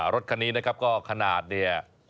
รถคันนี้นะครับก็ขนาดเนี่ย